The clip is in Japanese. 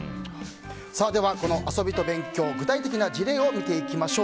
では、遊びと勉強具体的な事例を見ていきましょう。